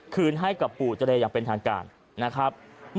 คืนให้กับปู่เจรอย่างเป็นทางการนะครับ